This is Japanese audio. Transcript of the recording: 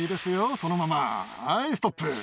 そのままはいストップ。